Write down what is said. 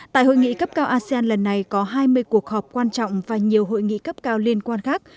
tại hội nghị cấp cao asean lần này có hai mươi cuộc họp quan trọng và nhiều hội nghị cấp cao liên quan khác